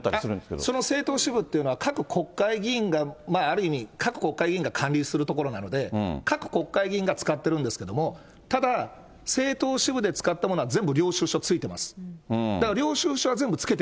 その政党支部っていうのは、各国会議員がある意味、各国会議員が還流するところなので、各国会議員が使っているんですけど、ただ、政党支部が使ったものは、全部領収書付いてます。